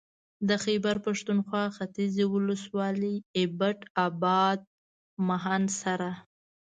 د خېبر پښتونخوا ختيځې ولسوالۍ اېبټ اباد مانسهره